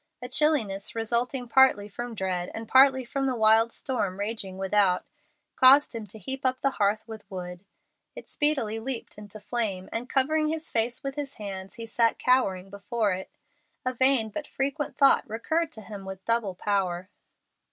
A chillness, resulting partly from dread and partly from the wild storm raging without, caused him to heap up the hearth with wood. It speedily leaped into flame, and, covering his face with his hands, he sat cowering before it. A vain but frequent thought recurred to him with double power.